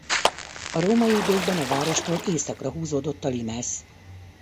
A római időkben a várostól északra húzódott a limes.